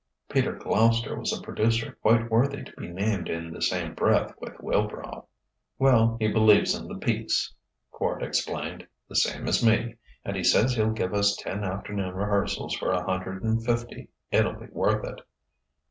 Peter Gloucester was a producer quite worthy to be named in the same breath with Wilbrow. "Well, he believes in the piece," Quard explained "the same as me and he says he'll give us ten afternoon rehearsals for a hundred and fifty. It'll be worth it."